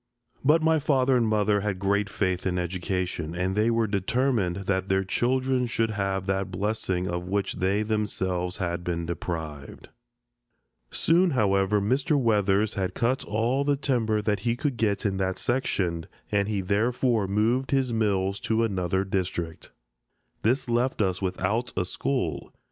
But my father and mother had great faith in education, and they were determined that their children should have that blessing of which they themselves had been deprived. Soon, however, Mr. Weathers had cut all the timber that he could get in that section, and he therefore moved his mills to another district. This left us without a school.